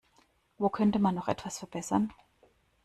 Wo könnte man noch etwas verbessern?